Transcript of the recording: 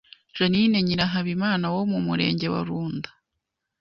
Jeannine Nyirahabimana wo mu murenge wa Runda